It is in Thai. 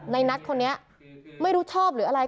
ในนัทคนนี้ไม่รู้ชอบหรืออะไร